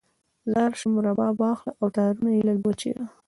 ځار شم، رباب واخله او تارونه یې لږ وچیړه